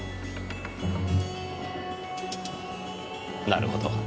なるほど。